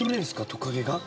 トカゲが。